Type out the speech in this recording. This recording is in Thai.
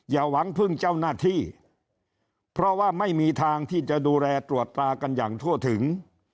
อย่าหวังพึ่งเจ้าหน้าที่เพราะว่าไม่มีทางที่จะดูแลตรวจตรากันอย่างทั่วถึง